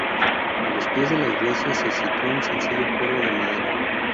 A los pies de la iglesia, se sitúa un sencillo coro de madera.